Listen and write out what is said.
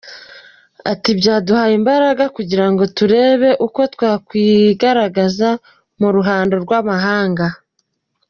Ati” Byaduhaye imbaraga kugira ngo turebe uko twakwigaragaza mu ruhando rw’amahanga.